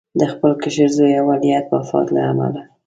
د خپل کشر زوی او ولیعهد وفات له امله.